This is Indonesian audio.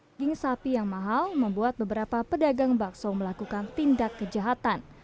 daging sapi yang mahal membuat beberapa pedagang bakso melakukan tindak kejahatan